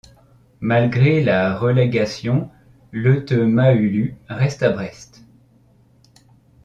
Malgré la relégation, Letemahulu reste à Brest.